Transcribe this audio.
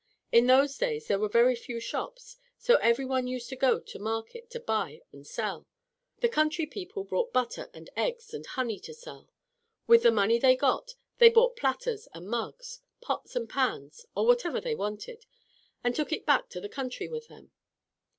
In those days there were very few shops, so every one used to go to market to buy and sell. The country people brought butter and eggs and honey to sell. With the money they got they bought platters and mugs, pots and pans, or whatever they wanted, and took it back to the country with them.